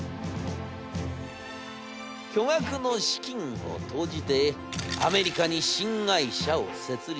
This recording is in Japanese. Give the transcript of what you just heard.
巨額の資金を投じてアメリカに新会社を設立。